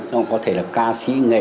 đó có thể là ca sĩ nghệ sĩ